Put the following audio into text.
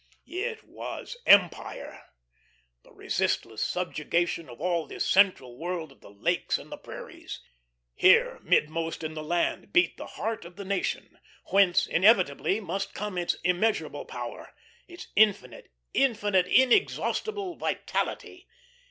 It was Empire, the resistless subjugation of all this central world of the lakes and the prairies. Here, mid most in the land, beat the Heart of the Nation, whence inevitably must come its immeasurable power, its infinite, infinite, inexhaustible vitality.